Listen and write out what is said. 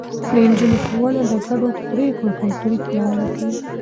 د نجونو ښوونه د ګډو پرېکړو کلتور پياوړی کوي.